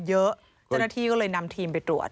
เจ้าหน้าที่ก็เลยนำทีมไปตรวจ